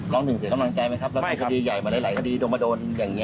หนึ่งเสียกำลังใจไหมครับแล้วมีคดีใหญ่มาหลายคดีโดนมาโดนอย่างนี้